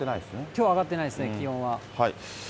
きょうは上がってないですね、気温は。